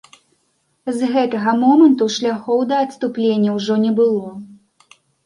З гэтага моманту шляхоў да адступлення ўжо не было.